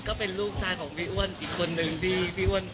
ก็เป็นลูกชายของพี่อ้วนอีกคนนึงที่พี่อ้วน